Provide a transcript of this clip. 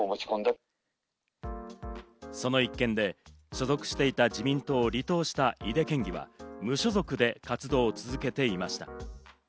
その一件で所属していた自民党を離党した井手県議は無所属で活動を続けていました。